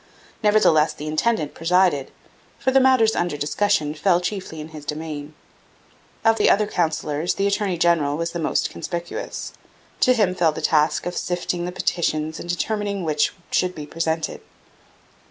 Nevertheless the intendant presided, for the matters under discussion fell chiefly in his domain. Of the other councillors the attorney general was the most conspicuous. To him fell the task of sifting the petitions and determining which should be presented.